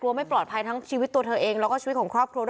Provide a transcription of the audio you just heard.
ไม่ปลอดภัยทั้งชีวิตตัวเธอเองแล้วก็ชีวิตของครอบครัวด้วย